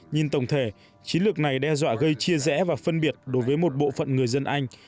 nhìn tổng thể chiến lược này đe dọa gây chia rẽ và phân biệt đối với một bộ phận người dân anh